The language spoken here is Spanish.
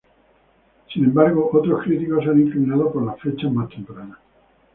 Sin embargo, otros críticos se han inclinado por fechas más tempranas.